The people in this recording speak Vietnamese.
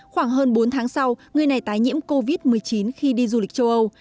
khoảng hơn bốn tháng sau người này tái nhiễm covid một mươi chín khi đi du lịch châu âu